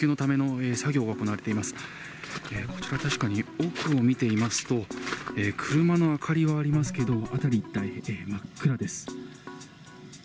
奥を見てみますと車の明かりはありますけど辺り一帯、真っ暗です。